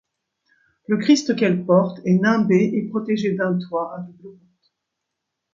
Le Christ qu'elle porte est nimbé et protégé d'un toit à double pente.